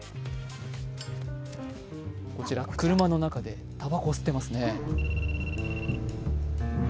車の中でたばこ吸ってますね。